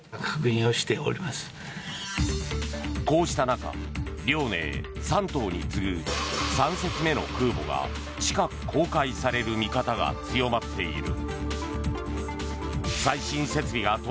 こうした中「遼寧」、「山東」に次ぐ３隻目の空母が近く公開される見方が強まっている。